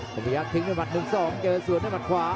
พยายามทิ้งมา๑๒เจอสวนให้มัดขวา